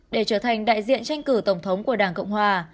để trở thành đại diện tranh cử tổng thống của đảng cộng hòa